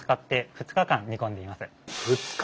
２日間！